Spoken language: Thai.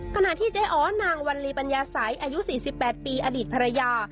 ขณะที่เจ๊อ๋อนางวัลลีปัญญาสัยอายุ๔๘ปีอดีตภรรยา